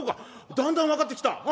だんだん分かってきた。